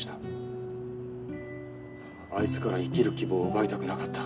あいつから生きる希望を奪いたくなかった。